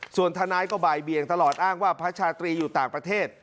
ส่วนทนายก็บ่ายเบียงตลอดอ้างว่าพระชาตรีอยู่ต่างประเทศ